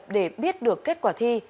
để biết được kết quả thi